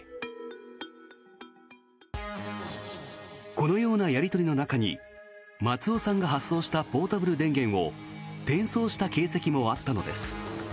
このようなやり取りの中に松尾さんが発送したポータブル電源を転送した形跡もあったのです。